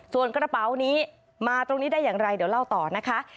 ส่วนกระเป๋านี้มาตรงนี้ได้อย่างไรเดี๋ยวเล่าต่อนะคะ